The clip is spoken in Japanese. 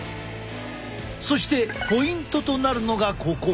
そしてポイントとなるのがここ。